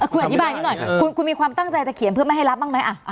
คุณอธิบายนิดหน่อยคุณมีความตั้งใจจะเขียนเพื่อไม่ให้รับบ้างไหม